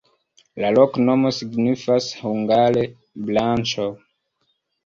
La loknomo signifas hungare: branĉo.